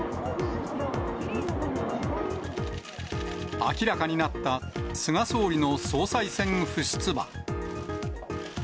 明らかになった菅総理の総裁選不出馬。